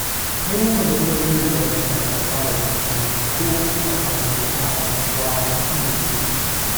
He would regularly dress as a pirate and tour the town and surrounding communities.